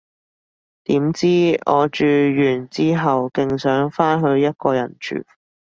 點知，我住完之後勁想返去一個人住